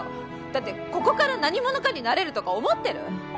だってここから何者かになれるとか思ってる？